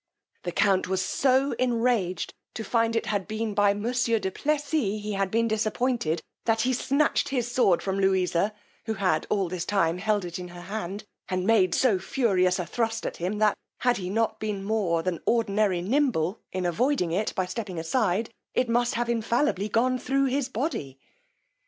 The count was so enraged to find it had been by monsieur du Plessis he had been disappointed, that he snatched his sword from Louisa, who had all this time held it in her hand, and made so furious a thrust at him, that, had he not been more than ordinary nimble in avoiding it, by stepping aside, it must have infallibly gone thro' his body.